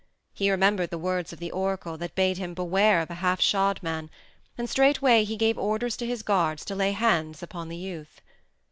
He remembered the words of the oracle that bade him beware of a half shod man, and straightway he gave orders to his guards to lay hands upon the youth.